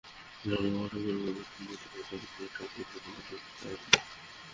ধর্মঘটে গতকাল বৃহস্পতিবার ভোর থেকে অচল হয়ে পড়ে ঢাকার নদীবন্দর সদরঘাট টার্মিনাল।